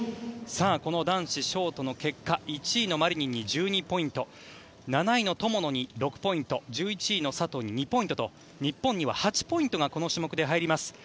この男子ショートの結果１位のマリニンに１２ポイント７位の友野に６ポイント１１位の佐藤に２ポイントと日本には８ポイントがこの種目では入ります。